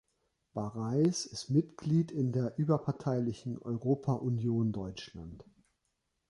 Bareiß ist Mitglied in der überparteilichen Europa-Union Deutschland.